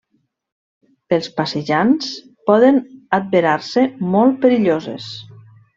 Pels passejants poden adverar-se molt perilloses.